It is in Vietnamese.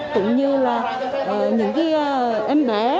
cũng như là những cái em bé